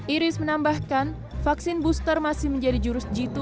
iris menambahkan vaksin booster masih menjadi jurus jitu